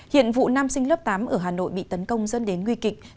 hiện vụ nam sinh lớp tám ở hà nội bị tấn công dẫn đến nguy kịch